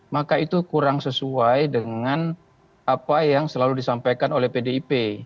maka itu kurang sesuai dengan apa yang selalu disampaikan oleh pdip